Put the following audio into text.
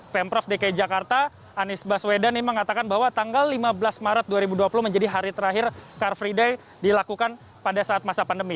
pemprov dki jakarta anies baswedan ini mengatakan bahwa tanggal lima belas maret dua ribu dua puluh menjadi hari terakhir car free day dilakukan pada saat masa pandemi